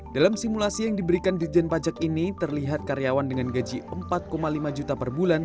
dalam simulasi yang diberikan dirjen pajak ini terlihat karyawan dengan gaji empat lima juta per bulan